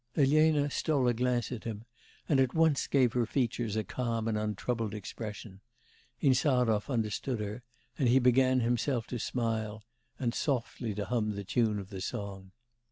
Elena stole a glance at him, and at once gave her features a calm and untroubled expression; Insarov understood her, and he began himself to smile, and softly to hum the tune of the song.